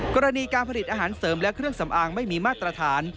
กรณีการผลิตอาหารเสริมและเครื่องสำอางไม่มีมาตรฐาน